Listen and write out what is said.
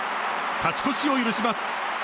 勝ち越しを許します。